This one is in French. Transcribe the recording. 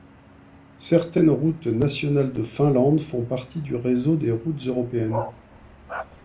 Certaines routes nationales de Finlande font partie du réseau des routes européennes.